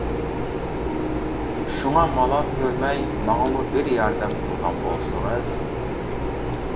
شۇڭا مالال كۆرمەي ماڭىمۇ بىر ياردەم قىلغان بولسىڭىز.